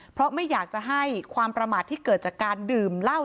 เพราะไม่อยากจะให้ความประมาทที่เกิดจากการดื่มเหล้า